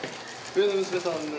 上の娘さんで？